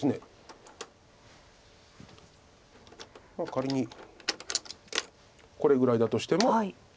仮にこれぐらいだとしても。